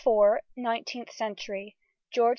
NINETEENTH CENTURY. GEORGE IV.